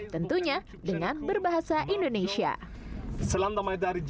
tentunya dengan berbahasa indonesia